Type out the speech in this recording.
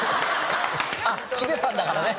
あっヒデさんだからね。